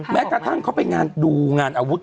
แม้กระทั่งเขาไปงานดูงานอาวุธ